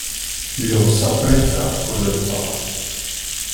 L'on s'apprêta pour le départ.